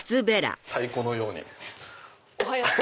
太鼓のように。